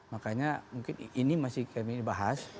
makanya mungkin ini masih kami bahas